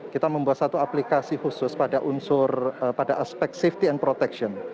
kita membuat satu aplikasi khusus pada aspek safety and protection